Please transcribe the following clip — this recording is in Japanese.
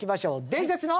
伝説の。